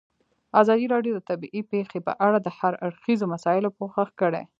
ازادي راډیو د طبیعي پېښې په اړه د هر اړخیزو مسایلو پوښښ کړی.